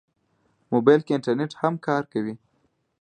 موبایل کې انټرنیټ هم کار کوي.